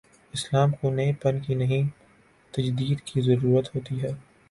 اسلام کو نئے پن کی نہیں، تجدید کی ضرورت ہو تی ہے۔